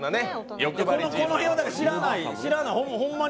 この辺は知らない。